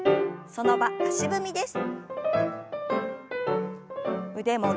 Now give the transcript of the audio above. その場足踏みです。